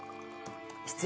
必要